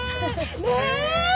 ねえ！